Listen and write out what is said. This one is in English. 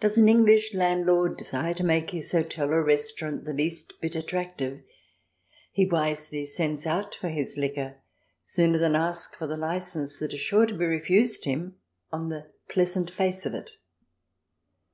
Does an English landlord desire to make his hotel or restaurant the least bit attractive, he wisely sends out for his liquor sooner than ask for the licence that is sure to be refused him on the pleasant face of it.